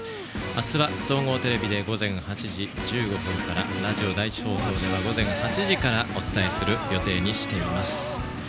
明日は総合テレビで午前８時１５分からラジオ第１放送では午前８時からお伝えする予定にしています。